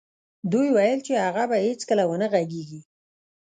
دوی ویل چې هغه به هېڅکله و نه غږېږي